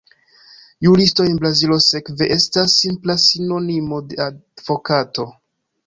Juristo en Brazilo, sekve, estas simpla sinonimo de advokato.